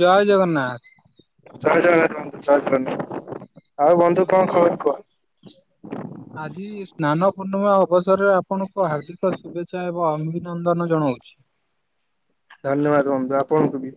ଜୟ ଜଗନ୍ନାଥ ଜୟ ଜଗନ୍ନାଥ ଜୟ ଜଗନ୍ନାଥ। ଆଉ ବନ୍ଧୁ କଣ ଖବର କୁହ? ଆଜି ସ୍ନାନ ପୂର୍ଣ୍ଣିମା ଅବସରରେ ଆପଣଙ୍କୁ ହାର୍ଦ୍ଦିକ ଶୁଭେଚ୍ଛା ଏବଂ ଅଭି ନନ୍ଦନ ଜଣଉଛି। ଧନ୍ୟବାଦ ବନ୍ଧୁ ଆପଣଙ୍କୁ ବି।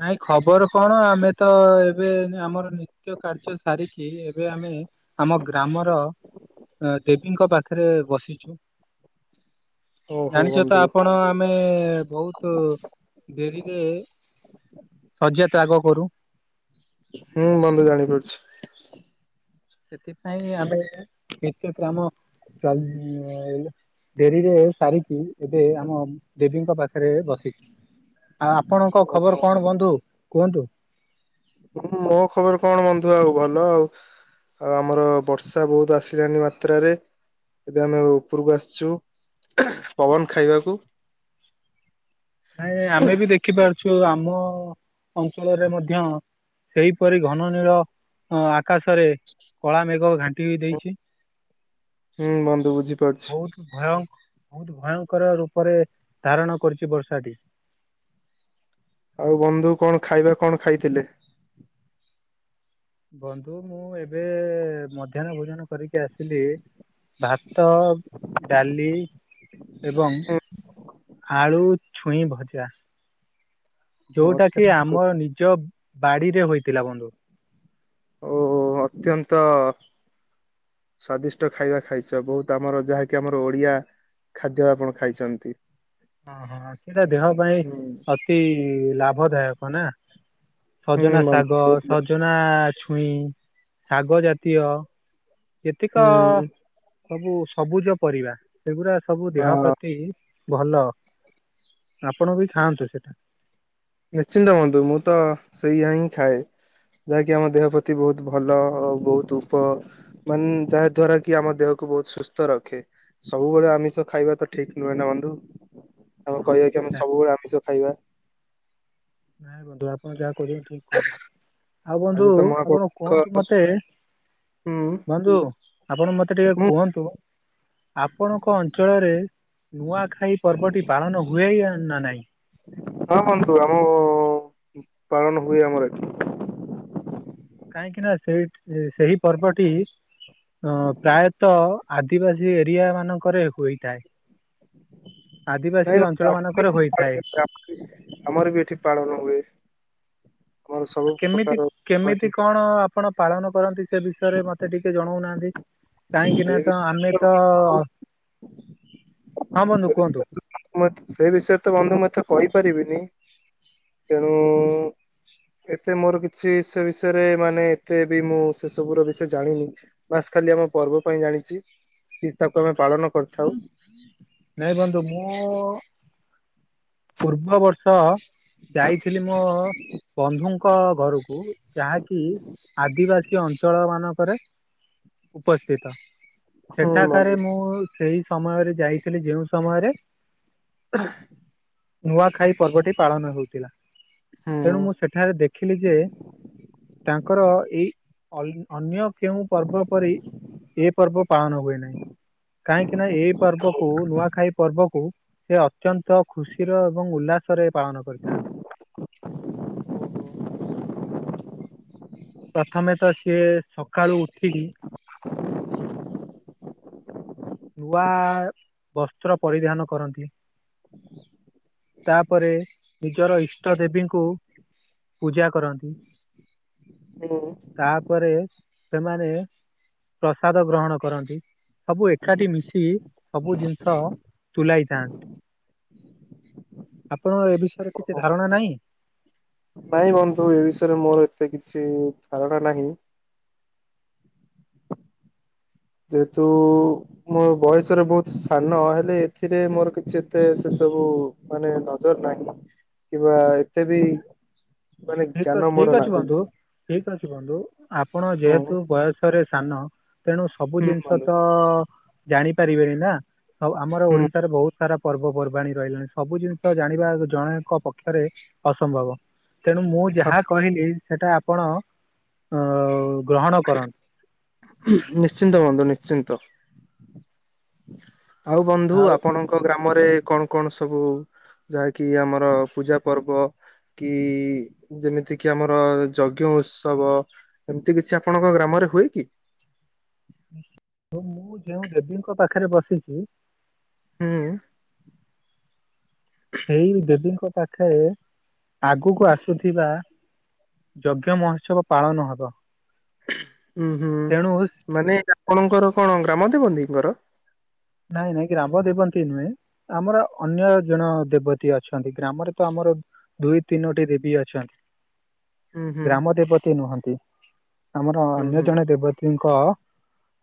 ନାଇଁ ଖବର କଣ, ଆମେ ତ ଏବେ ନି ଆମର ନି ତ୍ୟ କାର୍ଯ୍ୟ ସାରିକି ଏବେ ଆମେ ଆମ ଗ୍ରାମର ଅ, ଦେବୀଙ୍କ ପା ଖରେ ବସିଛୁ। ଓହୋ ଜାଣିଚ ତ ବନ୍ଧୁ ଆପଣ ଆମେ ବହୁତୁ ଡେରିରେ ଶଯ୍ୟା ତ୍ୟାଗ କରୁ। ହୁଁ, ବନ୍ଧୁ ଜାଣି ପାରୁଛି। ସେଥିପାଇଁ ଆମେ ନିତ୍ୟ କାମ ଚାଲିଚି ଆ ଏଇ। ଡେରିରେ ସାରିକି ଏବେ ଆମ ଦେବୀଙ୍କ ପାଖରେ ବସିଛି। ଆଉ ଆପଣଙ୍କ ଓହୋ ଖବର କଣ ବନ୍ଧୁ କୁହନ୍ତୁ? ମୋ ଖବର କଣ ବନ୍ଧୁ ଆଉ ଭଲ ଆଉ। ଆଉ ଆମର ବର୍ଷା ବହୁତୁ ଆସିଲାଣି ମାତ୍ରାରେ। ଏବେ ଆମେ ଉପରକୁ ଆସିଛୁ ପବନ ଖାଇବାକୁ। ନାଇଁ ଆମେ ବି ଦେଖିପାରୁଛୁ ଆମ ଅଞ୍ଚଳରେ ମଧ୍ୟ ସେହିପରି ଘନ ନୀଳ ଆକାଶରେ କଳା ମେଘ ଘାଣ୍ଟି ହେଇ ଦେଇଛି। ହୁଁ ବନ୍ଧୁ ବୁଝିପାରୁଛି ବହୁତ ଭୟ ବହୁତୁ ଭୟଙ୍କର ରୂପରେ ଧାରଣ କରିଛି ବର୍ଷାଟି। ଆଉ ବନ୍ଧୁ କଣ ଖାଇବା କଣ ଖାଇଥିଲେ? ବନ୍ଧୁ ମୁଁ ଏବେ ମଧ୍ୟାହ୍ନ ଭୋଜନ କରିକି ଆସିଲି। ଭାତ, ଡାଲି ଏବଂ ଆଳୁ ଛୁଇଁ ଭଜା। ଯୋଉଟା କି ଅତ୍ୟନ୍ତ ଆମ ନିଜ ବାଡିରେ ହୋଇଥିଲା ବନ୍ଧୁ। ଓ, ଅତ୍ୟନ୍ତ ସ୍ଵାଦିଷ୍ଟ ଖାଇବା ଖାଇଛ। ବହୁତ ଆମର ଯାହାକି ଆମର ଓଡିଆ ଖାଦ୍ୟ ଆପଣ ଖାଇଛନ୍ତି। ହଁ, ହଁ ସେଟା ଦେହ ପାଇଁ ହୁଁ ଅତି ଲାଭଦାୟକ ନା। ହୁଁ ସଜନା ବନ୍ଧୁ ଶାଗ, ବହୁତ ସଜନା ଛୁଇଁ ଶାଗ ଜାତୀୟ ଯେତିକ ହୁଁ ସବୁ ସବୁଜ ପରିବା ସେଗୁରା ସବୁ ଦେହ ହଁ ପ୍ର ତିବି ଭଲ ଆପଣ ବି ଖାଆନ୍ତୁ ସେଟା। ନିଶ୍ଚିନ୍ତ ହୁଅନ୍ତୁ ମୁଁ ତ ସେଇଆ ହିଁ ଖାଏ। ଯାହାକି ଆମ ଦେହ ପ୍ରତି ବୋହୁତ ଭଲ ଓ ବୋହୁତ ଉପ ମାନ୍ ଯାହା ଦ୍ଵାରା କି ଆମ ଦେହକୁ ବୋହୁତ ସୁସ୍ଥ ରଖେ। ସବୁବେଳେ ଆମିଷ ଖାଇବା ତ ଠିକ ନୁହେଁ ନା ବନ୍ଧୁ ଆମ ହଁ କହିବା କି ଆମେ ସେଟା ସବୁବେଳେ ଆମିଷ ଖାଇବା। ନାଇଁ ବୁନ୍ଧୁ ଆପଣ ଯାହା କୋହୁଚନ୍ତି ଠିକ କୋହୁ [unintelligible] ଆଉ ବନ୍ଧୁ ଆଜି ତ ମହାପ୍ରଭୁ ଆପଣ କୁହନ୍ତୁ ଙ୍କ ମତେ ହୁଁ ବନ୍ଧୁ ଆପଣ ମତେ ଟିକେ ହୁଁ କୁହନ୍ତୁ। ଆପଣଙ୍କ ଅଞ୍ଚଳରେ ନୂଆଖାଇ ପର୍ବଟି ପାଳନ ହୁଏ ୟା ନା ନାଇଁ। ହଁ ବନ୍ଧୁ ଆମ ପାଳନ ହୁଏ ଆମର ଏଠି। କାହିଁକି ନା ସେଇଠି ସେହି ପର୍ବଟି। ଅଁ ପ୍ରାୟତଃ ଆଦିବାସୀ ଏରିଆ ମାନଙ୍କରେ ହୋଇଥାଏ। ଆଦିବାସୀ ଅଞ୍ଚଳ ମାନଙ୍କର ଏଠି ନାଇଁ ହୋଇଥାଏ। ଆମର ବି ଏଠି ପାଳନ ହୁଏ। ଆମର ସବୁ ଆ ପ୍ରକାର କେମିତି ପର୍ବ ଏଠି କେମିତି କଣ ଆପଣ ପାଳନ କରନ୍ତି ସେ ବିଷୟରେ ମତେ ଟିକେ ଜଣୋଉନାହାନ୍ତି। ସେ କାହିଁକିନା ତ ଆମେ ତ ବିଷୟରେ ହଁ ବନ୍ଧୁ କୁହନ୍ତୁ। [unintelligible] ସେ ବିଷୟରେ ତ ବନ୍ଧୁ ମୁଁ ମୁତେ କହିପାରିବିନି ତେଣୁ ଏତେ ମୋରୋ କିଛି ସେ ବିଷୟରେ ମାନେ ଏତେ ବି ମୁଁ ସେ ସବୁର ବିଷୟ ଜାଣିନି। ବାସ୍ ଖାଲି ଆମ ପର୍ବ ପାଇଁ ଜାଣିଚି କି ତାକୁ ଆମେ ପାଳନ କରିଥାଉ। ନାଇଁ ବନ୍ଧୁ ମୁଁ ପୂର୍ବ ବର୍ଷ ଯାଇଥିଲି ମୋ ବନ୍ଧୁଙ୍କ ଘରୁକୁ। ଯାହାକି ଆଦିବାସୀ ଅଞ୍ଚଳ ମାନଙ୍କରେ ଉପସ୍ଥିତ। ହୁଁ ସେଠାକାରେ ବନ୍ଧୁ ମୁଁ ସେଇ ସମୟରେ ଯାଇଥିଲି ଯେଉଁ ସମୟରେ [unintelligible] ନୂଆଖାଇ ପର୍ବଟି ପାଳନ ହୋଉଥିଲା। ତେଣୁ ହୁଁ ମୁଁ ସେଠାରେ ଦେଖିଲି ଯେ ତାଙ୍କର ଏଇ [unintelligible] ଅନ୍ୟ କେଉଁ ପର୍ବ ପରି ଏ ପର୍ବ ପାଳନ ହୁଏ ନାହିଁ। କାହିଁକି ନା ଏଇ ପର୍ବ କୁ ନୂଆଖାଇ ପର୍ବକୁ ସେ ଅତ୍ୟନ୍ତ ଖୁସିର ଏବଂ ଉଲ୍ଲାସରେ ପାଳନ କରିଥାନ୍ତି। ପ୍ରଥମେ ତ ସିଏ ସକାଳୁ ଉଠିକି ନୂଆ ବସ୍ତ୍ର ପରିଧାନ କରନ୍ତି। ତାପରେ ନିଜର ଇଷ୍ଟ ଦେବୀଙ୍କୁ ପୂଜା କରନ୍ତି। ହୁଁ। ତାପରେ ସେମାନେ ପ୍ରସାଦ ଗ୍ରହଣ କରନ୍ତି ସବୁ ଏକ କାଠି ମିଶିକି ସବୁ ଜିନିଷ ତୁଲାଇଥାନ୍ତି। ଆପଣଙ୍କର ଏ ବିଷୟରେ କିଛି ଧାରଣା ନାଇଁ। ନାଇଁ ବନ୍ଧୁ ଏ ବିଷୟରେ ମୋରୋ ଏତେ କିଛି ଧାରଣା ନାହିଁ। ଯେହେତୁ ମୋ ବୟସରେ ବୋହୁତ ସାନ ହେଲେ ଏଥିରେ ମୋର କିଛି ଏତେ ସେ ସବୁ ମାନେ ନଜର ନାହିଁ କିମ୍ବା ଏତେ ବି ମାନେ ଠିକ ଅ ଜ୍ଞାନ ମୋର ଠିକ ଅଛି ନାହିଁ। ବନ୍ଧୁ ଠିକ ଅଛି ବନ୍ଧୁ ଆପଣ ହୁଁ ଯେହେତୁ ବୟସରେ ସାନ ତେଣୁ ସବୁ ହୁଁ ଜିନିଷ ବନ୍ଧୁ ତ ଜାଣିପାରିବେନି ନା ସବୁ ଆମର ହୁଁ ଓଡିଶାରେ ବୋହୁତ ସାରା ପର୍ବପର୍ବାଣୀ ରହିଲାଣି ସବୁ ଜିନିଷ ଜାଣିବା ଜଣେଙ୍କ ପକ୍ଷରେ ଅସମ୍ଭବ। ତେଣୁ ମୁଁ ଯାହା କହିଲି ସେଟା ଆପଣ ଅଁ ଗ୍ରହଣ କର ନିଶ୍ଚିନ୍ତ ବନ୍ଧୁ ନିଶ୍ଚିନ୍ତ ଆଉ ବନ୍ଧୁ ଆପଣ ଙ୍କ ଗ୍ରାମରେ କଣ କଣ ସବୁ ଯାହାକି ଆମର ପୂଜା ପର୍ବ। କି ଯେମିତି କିି ଆମର ଯଜ୍ଞ ଉତ୍ସବ। ଏମିତି କିଛି ଆପଣଙ୍କ ଗ୍ରାମରେ ହୁଏ କି? ମୁଁ ଯେଉଁ ଦେବୀଙ୍କ ପାଖରେ ବସିଛି। ହୁଁ। ଏଇ ଦେବୀଙ୍କ ପାଖରେ ଆଗକୁ ଆସୁଥିବା ଯଜ୍ଞ ମହୋତ୍ସବ ପାଳନ ହବ। ହୁଁ ହୁଁ ମାନେ ଆପଣଙ୍କର କଣ ଗ୍ରାମ ଦେବତୀଙ୍କର। ନାଇଁ ନାଇଁ ଗ୍ରାମ ଦେବତୀ ନୁହେଁ। ଆମର ଅନ୍ୟ ଜଣ ଦେବତୀ ଅଛନ୍ତି ଗ୍ରାମରେ ତ ଆମର ଦୁଇ ତିନୋଟି ଦେବୀ ଅଛନ୍ ହୁଁ ହୁଁ ଗ୍ରାମ ଦେବତୀ ନୁହନ୍ତି ଆମର ହୁଁ ଅନ୍ୟ ହୁଁ ଜଣେ ଦେବତୀଙ୍କ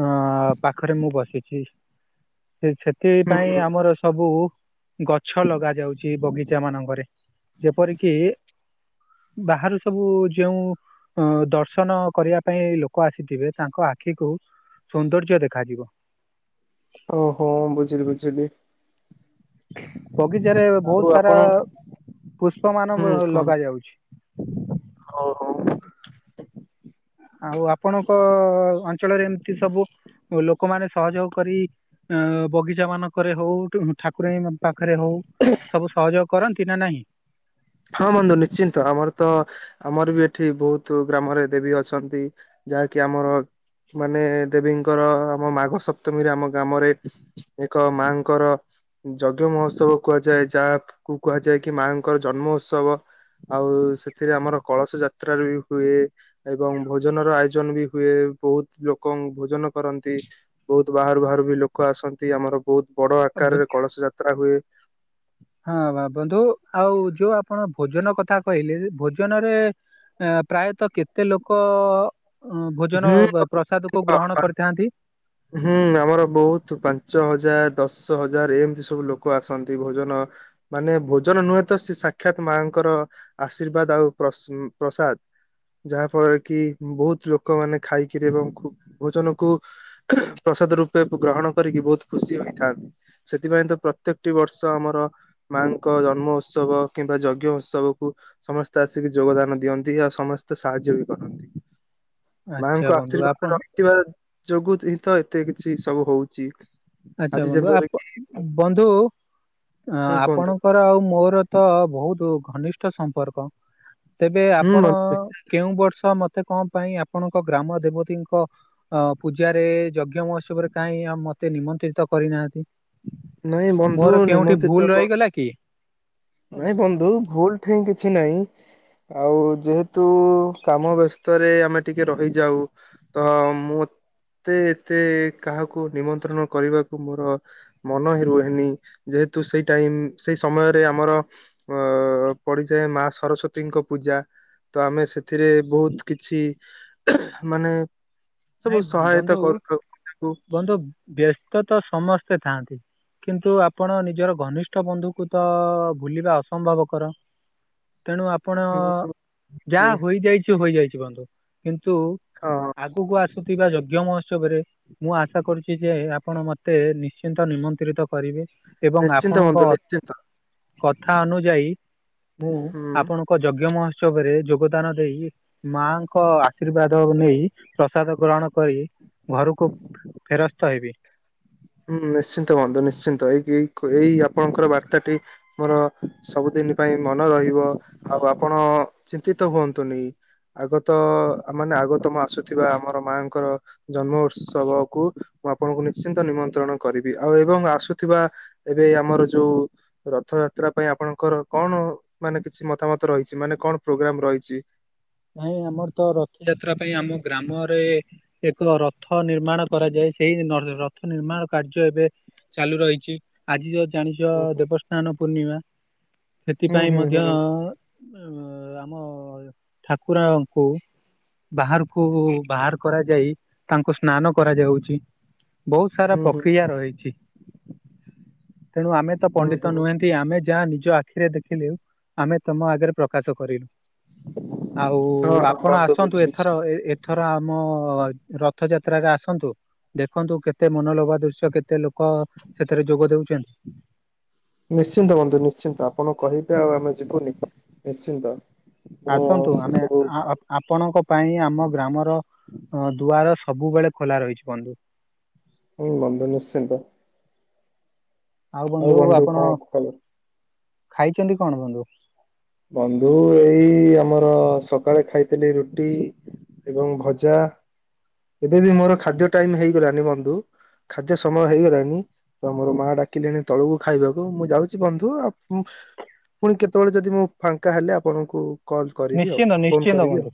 ହଁ ପାଖରେ ମୁଁ ବସିଛି। ସେ ହୁଁ ସେଥିପାଇଁ ହୁଁ ଆମର ସବୁ ଗଛ ଲଗାଯାଉଛି ବଗିଚା ମାନଙ୍କରେ ଯେପରିକି ବାହାରୁ ସବୁ ଯେଉଁ ଅ ଦର୍ଶନ କରିବା ପାଇଁ ଲୋକ ଆସିଥିବେ ତାଙ୍କ ଆଖିକୁ ସୌନ୍ଦର୍ଯ୍ୟ ଦେଖାଯିବ। ଓହୋ ବୁଝିଲି ବୁଝିଲି। ବଗିଚାରେ ଆଉ ବହୁତ ସାରା ଆପଣ ପୁଷ୍ପ ମାନ ଲଗା ଯାଉଛି। ଓ ହୋ। ଆଉ ଆପଣଙ୍କ ଅଞ୍ଚଳରେ ଏମିତି ସବୁ ଓ ଲୋକମାନେ ସହଯୋଗ କରି ଅ ବଗିଚା ମାନଙ୍କରେ ହଉ ଠାକୁରାଣୀ ପାଖରେ ହଉ ସବୁ ସହଯୋଗ କରନ୍ତି ନା ନାହିଁ। ହଁ ବନ୍ଧୁ ନିଶ୍ଚିନ୍ତ ଆମର ତ ଆମର ବି ଏଠି ବହୁତ ଗ୍ରାମରେ ଦେବୀ ଅଛନ୍ତି। ଯାହାକି ଆମର ମାନେ ଦେବୀଙ୍କର ଆମ ମାଘ ସପ୍ତମୀରେ ଆମ ଗ୍ରାମରେ ଏକ ମାଙ୍କର ଯଜ୍ଞ ମହୋତ୍ସବ କୁହାଯାଏ ଯାହାକୁୁ କୁହାଯାଏ କି ମାଙ୍କର ଜନ୍ମ ଉତ୍ସବ। ଆଉ ସେଥିରେ ଆମର କଳସ ଯାତ୍ରା ବି ହୁଏ। ଏବଂ ଭୋଜନ ର ଆୟୋଜନ ବି ହୁଏ ବହୁତ ଲୋକ ଭୋଜନ କରନ୍ତି। ବହୁତ ବାହାରୁ ବାହାରୁ ବି ଲୋକ ଆସନ୍ତି ଆମର ବହୁତ ବଡ ଆକାରରେ କଳସ ଯାତ୍ରା ହୁଏ। ହଁ ବା ବନ୍ଧୁ ଆଉ ଯୋଉ ଆପଣ ଭୋଜନ କଥା କହିଲେ ଯେ ଭୋଜନରେ ଅ ପ୍ରାୟତଃ କେତେ ଲୋକ ଭୋଜନ ପ୍ରସାଦ କୁ ହୁଁ ଗ୍ରହଣ କରିଥାନ୍ତି। ହୁଁ ଆମର ବୋହୁତ ପାଞ୍ଚ ହଜାର ଦଶ ହଜାର ଏମତି ସବୁ ଲୋକ ଆସନ୍ତି ଭୋଜନ ମାନେ ଭୋଜନ ନୁହେଁ ତ ସେ ସାକ୍ଷାତ ମା ଙ୍କର ଆଶୀର୍ବାଦ ଆଉ ପ୍ରସ୍ ଉଁ ପ୍ରସାଦ୍। ଯାହା ଫଳରେ କି ବୋହୁତ ଲୋକମାନେ ଖାଇକିରି ଏବଂ ଖୁ ଭୋଜନକୁ ପ୍ରସାଦ ରୂପେ ଗ୍ରହଣ କରିକି ବୋହୁତ ଖୁସି ହୋଇଥାନ୍ତି। ସେଥିପାଇଁ ତ ପ୍ରତ୍ୟେକଟି ବର୍ଷ ଆମର ମା ଙ୍କ ଜନ୍ମ ଉତ୍ସବ କିମ୍ବା ଯଜ୍ଞ ଉତ୍ସବକୁ ସମସ୍ତେ ଆସିକି ଯୋଗଦାନ ଦିଅନ୍ତି ଆଉ ସମସ୍ତେ ସାହାଯ୍ୟ ବି କରନ୍ତି। ଆଚ୍ଛା ମାଙ୍କ ବନ୍ଧୁ ଆଶୀର୍ବାଦ ଆପଣ ରହିଥିବା ଯୋଗୁ ହି ତ ଏତେ କିଛି ସବୁ ହଉଚି। ଆଚ୍ଛା ବନ୍ଧୁ ଆପ ବନ୍ଧୁ ଉଁ ହୁଁ କୁହନ୍ତୁ ଆପଣଙ୍କର ଆଉ ମୋର ତ ବୋହୁତ ଘନିଷ୍ଠ ସମ୍ପର୍କ ତେବେ ହୁଁ ଆପଣ ବନ୍ଧୁ କେଉଁ ବର୍ଷ ମ ତେ କଣ ପାଇଁ ଆପଣଙ୍କ ଗ୍ରାମ ଦେବତୀଙ୍କ ଅ ପୂଜାରେ ଯଜ୍ଞ ମହୋତ୍ସବରେ କାଇଁ ଆଉ ମତେ ନିମନ୍ତ୍ରିତ କରିନାହାତିି। ନାଇଁ ବନ୍ଧୁ ମୋର କେଉଁଠି ନିମନ୍ତ୍ରିତ ଭୁଲ କ ରହିଗଲା କି। ନାଇଁ ବନ୍ଧୁ ଭୁଲ ଠେଇଁ କିଛି ନାଇଁ। ଆଉ ଯେହେତୁ କାମ ବେସ୍ତରେ ଆମେ ଟିକେ ରହିଯାଉ ତ ମୋତେ ଏତେ କାହାକୁ ନିମନ୍ତ୍ରଣ କରିବାକୁ ମୋର ମନ ହିଁ ରୁହେନି ଯେହେତୁ ସେଇ ଟାଇମ୍ ସେଇ ସମୟରେ ଆମର ଅ ପଡିଯାଏ ମା ସରସ୍ଵତୀଙ୍କ ପୂଜା। ତ ଆମେ ସେଥିରେ ବୋହୁତ କିଛି ମାନେ ସବୁ ନାଇଁ ସହାୟତା ବନ୍ଧୁ କରୁଥାଉ। ବନ୍ଧୁ ବେସ୍ତ ତ ସମସ୍ତେ ଥାଆନ୍ତି। କିନ୍ତୁ ଆପଣ ନିଜର ଘନିଷ୍ଠ ବନ୍ଧୁକୁତ ଭୁଲିବା ଅସମ୍ଭବକର? ତେଣୁ ଆପଣ ହୁଁ, ଜି ଯାହା ହୋଇଯାଇଛି ହୋଇଯାଇଛି ବନ୍ଧୁ କିନ୍ତୁ ହଁ ଆଗୁକୁ ଆସୁଥିବା ଯଜ୍ଞ ମହୋତ୍ସବରେ ମୁଁ ଆଶା କରୁଚିଯେ ଆପଣ ମତେ ନିଶ୍ଚିନ୍ତ ନିମନ୍ତ୍ରିତ କରିବେ। ଏବଂ ନିଶ୍ଚିନ୍ତ ଆପଣଙ୍କ ବନ୍ଧୁ ନିଶ୍ଚିନ୍ତ। କଥା ଅନୁଯାୟୀ ମୁଁ ହୁଁ ଆପଣ କ ଯଜ୍ଞ ମହୋତ୍ସବରେ ଯୋଗଦାନ ଦେଇ ମାଙ୍କ ଆଶୀର୍ବାଦ ନେଇ ପ୍ରସାଦ ଗ୍ରହଣ କରି ଘରୁକୁ ଫେରସ୍ତ ହେବି। ହୁଁ ନିଶ୍ଚିନ୍ତ ବନ୍ଧୁ ନିଶ୍ଚିନ୍ତ ଏଇକି ଏଇ ଖ ଏଇ ଆପଣଙ୍କର ବାର୍ତ୍ତାଟି ମୋର ସବୁଦିନ ପାଇଁ ମନ ରହିବ ଆଉ ଆପଣ ଚିନ୍ତିତ ହୁଅନ୍ତୁନି ଆଗତ ମାନେ ଆଗତମ ଆସୁଥିବା ଆମର ମାଙ୍କର ଜନ୍ମ ଉତ୍ସବକୁୁ ମୁଁ ଆପଣଙ୍କୁ ନିଶ୍ଚିନ୍ତ ନିମନ୍ତ୍ରଣ କରିବି ଆଉ ଏବଂ ଆସୁଥିବା ଏବେ ଆମର ଯୋଉ ରଥଯାତ୍ରା ପାଇଁ ଆପଣଙ୍କର କଣ ମାନେ କିଛି ମତାମତ ରହିଚି ମାନେ କଣ ପ୍ରୋଗ୍ରାମ ରହିଚି? ନାଇଁ ଆମରତ ରଥଯାତ୍ରା ପାଇଁ ଆମ ଗ୍ରାମରେ ଏକ ରଥ ନିର୍ମାଣ କରାଯାଏ ସେଇ ନ ର ରଥ ନିର୍ମାଣ କାର୍ଯ୍ୟ ଏବେ ଚାଲୁ ରହିଚି। ଆଜି ଯୋଉ ଜାଣିଚ ହୁଁ ଦେବସ୍ନାନ ପୂର୍ଣ୍ଣିମା ହୁଁ ସେଥିପାଇଁ ହୁଁ ମଧ୍ୟ ହୁଁ ଉଁ ମ ଆମ ଠାକୁରାଙ୍କୁ ବାହାରୁକୁ ବାହାର କରାଯାଇ ତାଙ୍କୁ ସ୍ନାନ କରାଯାଉଚି। ବୋହୁତ ସାରା ହୁଁ ପକ୍ରିୟା ହୁଁ ରହିଛି ତେଣୁ ଆମେତ ପଣ୍ଡିତ ହୁଁ ନୁହେଁ ନ୍ତି ଆମେ ଯାହା ନିଜ ଆଖିରେ ଦେଖିଲେ ଆମେ ତମ ଆଗରେ ପ୍ରକାଶ କରିଲୁ। ଆଉ ହଁ ହଁ ଆପଣ ବନ୍ଧୁ ଆସନ୍ତୁ ବୁଝୁଛି। ଏଥର ଏ ଏ ଥର ଆମ ରଥଯାତ୍ରାରେ ଆସନ୍ତୁ। ଦେଖନ୍ତୁ କେତେ ମନଲୋଭା ଦୃଶ୍ୟ କେତେ ଲୋକ ସେଥିରେ ଯୋଗ ଦୋଉଚନ୍ତି। ନିଶ୍ଚିନ୍ତ ବନ୍ଧୁ ନିଶ୍ଚିନ୍ତ ଆପଣ କହିବେ ଆଉ ଆମେ ଯିବୁନି ନିଶ୍ଚିନ୍ତ। ମୁଁ ଆସନ୍ତୁ ସେ ଆମେ ସବୁ ଆ ଆପ୍ ଆପଣଙ୍କ ପାଇଁ ଆମ ଗ୍ରାମର ଅଁ ଦୁଆର ସବୁବେଳେ ଖୋଲା ରହିଛି ବନ୍ଧୁ। ହୁଁ ବନ୍ଧୁ ନିଶ୍ଚିନ୍ତ। ଆଉ ବନ୍ଧୁ ଆପଣ ଖାଇଚନ୍ତି କଣ ବନ୍ଧୁ? ବନ୍ଧୁ ଏଇ ଆମର ସକାଳେ ଖାଇଥିଲି ରୁଟି। ଏବଂ ଭଜା ଏବେବି ମୋର ଖାଦ୍ୟ ଟାଇମ୍ ହେଇଗଲାଣିି ବନ୍ଧୁ। ଖାଦ୍ୟ ସମୟ ହେଇଗଲାଣି। ତ ମୋର ମାଆ ଡାକିଲେଣି ତଳକୁ ଖାଇବାକୁ ମୁଁ ଯାଉଚି ବନ୍ଧୁ ଆଉ ପୁଣି କେତେବେଳେ ଯଦି ମୁଁ ଫାଙ୍କା ହେଲେ ଆପଣଙ୍କୁ କଲ୍ କରିବି ଆଉ ନିଶ୍ଚିନ୍ତ ଫୋନ୍ ନିଶ୍ଚିନ୍ତ କରିବି ଆଉ ବନ୍ଧୁ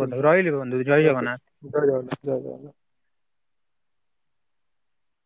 ବନ୍ଧୁ ରହିଲି ବନ୍ଧୁ ଜୟ ଜଗନ୍ନାଥ। ରଖୁଚି। ଜୟ ଜଗନାଥ ଜୟ ଜଗନାଥ।